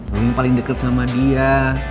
lo yang paling deket sama dia